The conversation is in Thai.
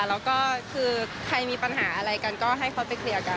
แล้วก็คือใครมีปัญหาอะไรกันก็ให้เขาไปเคลียร์กัน